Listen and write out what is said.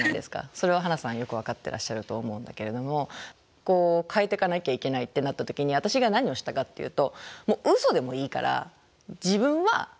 それはハナさんよく分かってらっしゃると思うんだけれども変えていかなきゃいけないってなった時に私が何をしたかっていうとウソでもいいから自分はきれい。